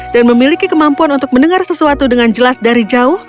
dan memiliki kemampuan untuk mendengar sesuatu dengan jelas dari jauh